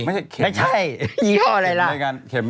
ไม่ใช่เข็ม